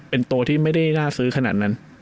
เป็นตัวที่ไม่ได้น่าซื้อขนาดนั้น